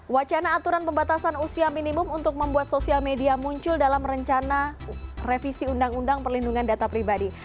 wacana aturan pembatasan usia minimum untuk membuat sosial media muncul dalam rencana revisi undang undang perlindungan data pribadi